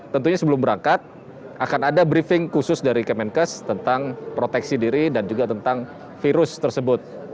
tentunya sebelum berangkat akan ada briefing khusus dari kemenkes tentang proteksi diri dan juga tentang virus tersebut